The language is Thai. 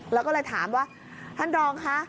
แล้วก็เลยถามว่าท่านรองคะ